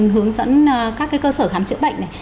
hướng dẫn các cái cơ sở khám chữa bệnh